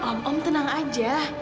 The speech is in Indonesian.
om om tenang saja